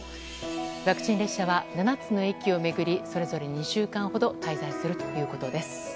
ワクチン列車は７つの駅を巡りそれぞれ２週間ほど滞在するということです。